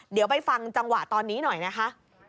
เดี๋ยวไปฟังจังหวะตอนนี้หน่อยนะคะ